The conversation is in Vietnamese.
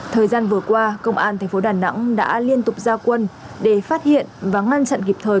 thời gian vừa qua công an tp đà nẵng đã liên tục ra quân để phát hiện và ngăn chặn kịp thời